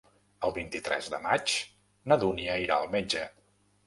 El vint-i-tres de maig na Dúnia irà al metge.